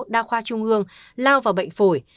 đa khoa trung ương lao vào bệnh phổi